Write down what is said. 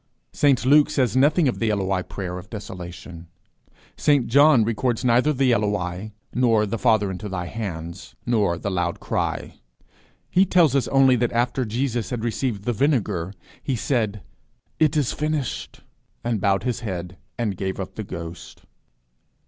St Luke says nothing of the Eloi prayer of desolation. St John records neither the Eloi, nor the Father into thy hands, nor the loud cry. He tells us only that after Jesus had received the vinegar, he said, "It is finished," and bowed his head, and gave up the ghost.